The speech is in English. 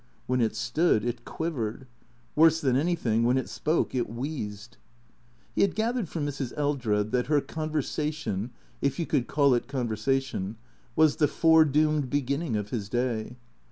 When it stood it quivered. Worse than anything, when it spoke it wheezed. He had gathered from Mrs. Eldred that her conversation (if you could call it conversation) was the foredoomed beginning of his day.